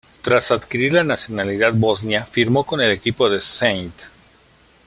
Tras adquirir la nacionalidad bosnia firmó con el equipo de St.